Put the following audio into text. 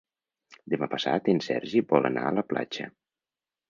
Demà passat en Sergi vol anar a la platja.